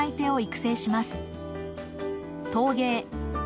陶芸。